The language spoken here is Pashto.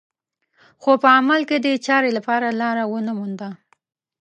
خو په عمل کې دې چارې لپاره لاره ونه مونده